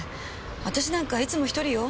私なんかいつも一人よ。